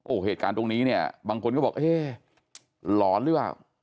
โอ้โหเหตุการณ์ตรงนี้เนี่ยบางคนก็บอกเอ๊ะหลอนหรือเปล่า